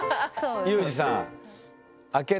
裕士さん。